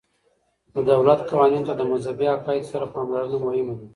د دولت قوانینو ته د مذهبي عقایدو سره پاملرنه مهمه ده.